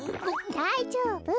だいじょうぶ。